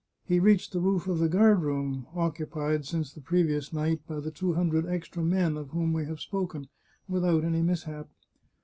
He reached the roof of the guard room occupied, since the pre vious night, by the two hundred extra men of whom we have spoken, without any mishap.